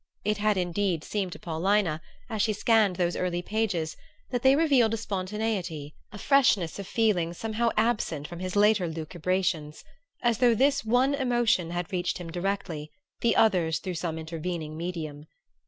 It had indeed seemed to Paulina, as she scanned those early pages, that they revealed a spontaneity, a freshness of feeling somehow absent from his later lucubrations as though this one emotion had reached him directly, the others through some intervening medium.